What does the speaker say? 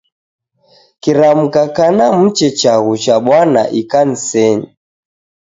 Kiramka kana muche chaghu cha Bwana ikanisenyi.